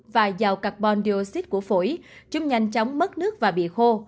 và dầu carbon dioxide của phổi chúng nhanh chóng mất nước và bị khô